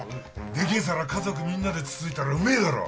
でけえ皿家族みんなでつついたらうめえだろ。